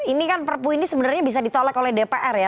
ini kan perpu ini sebenarnya bisa ditolek oleh dpr ya